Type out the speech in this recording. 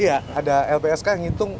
iya ada lpsk yang ngitung